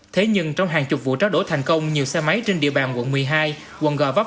thế nhưng trong hàng chục vụ tráo đổ thành công nhiều xe máy trên địa bàn quận một mươi hai quận g vấp